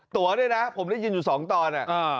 ตัวเนี่ยนะผมได้ยินอยู่๒ตอน